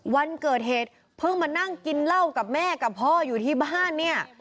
วันเกิดเหตุเพิ่งมานั่งกินเหล้ากับแม่กับพ่ออยู่ที่บ้านเนี่ย